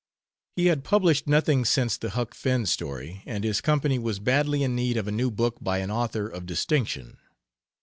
He had published nothing since the Huck Finn story, and his company was badly in need of a new book by an author of distinction.